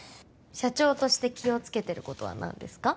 社長として気をつけてることは何ですか？